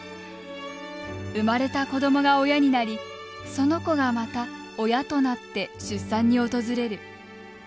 生まれた子どもが親になりその子がまた親となって出産に訪れる。